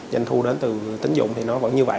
doanh thu đến từ tính dụng thì nó vẫn như vậy